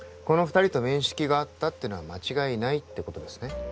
この二人と面識があったってのは間違いないってことですね